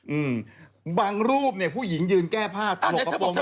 อืมบางรูปผู้หญิงยืนแก้ผ้าถลกกระโปรงอยู่